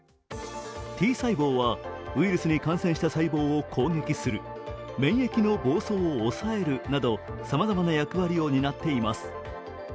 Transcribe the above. Ｔ細胞はウイルスに感染した細胞を攻撃する免疫の暴走を抑える、などさまざまな役割を担っています。